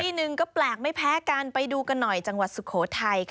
หนึ่งก็แปลกไม่แพ้กันไปดูกันหน่อยจังหวัดสุโขทัย